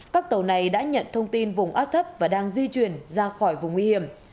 các tàu này đã nhận thông tin vùng áp thấp và đang di chuyển ra khỏi vùng nguy hiểm